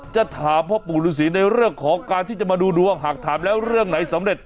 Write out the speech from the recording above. จะถามพ่อปู่ฤษีในเรื่องของการที่จะมาดูดวงหากถามแล้วเรื่องไหนสำเร็จ